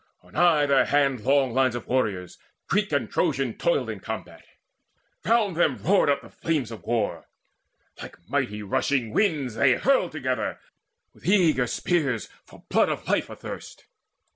On either hand Long lines of warriors Greek and Trojan toiled In combat: round them roared up flames of war. Like mighty rushing winds they hurled together With eager spears for blood of life athirst.